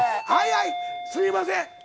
すいません！